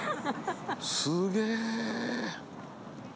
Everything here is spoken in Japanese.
すげえ！